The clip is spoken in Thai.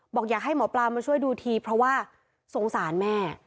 บอกอยากให้หมอปลามาช่วยดูทีเพราะว่าสงสารแม่